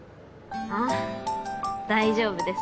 あぁ大丈夫です。